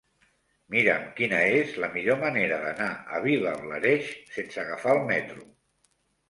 Mira'm quina és la millor manera d'anar a Vilablareix sense agafar el metro.